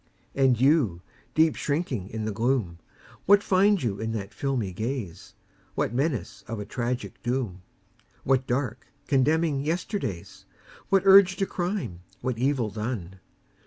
And You, deep shrinking in the gloom, What find you in that filmy gaze? What menace of a tragic doom? What dark, condemning yesterdays? What urge to crime, what evil done?